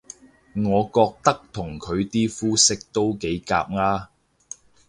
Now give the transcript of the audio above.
我覺得同佢啲膚色都幾夾吖